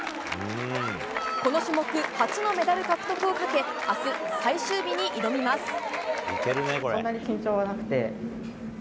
この種目初のメダル獲得をかけ明日、最終日に挑みます。